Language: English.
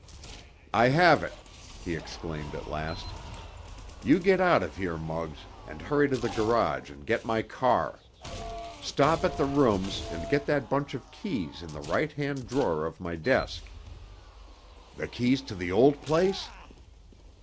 "I have it!" he exclaimed at last. "You get out of here, Muggs, and hurry to the garage and get my car. Stop at the rooms and get that bunch of keys in the right hand drawer of my desk——" "The keys to the old place?"